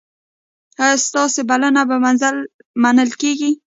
ایا ستاسو بلنه به منل کیږي؟